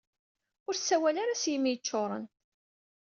Ur ssawal ara s yimi yeččuṛen!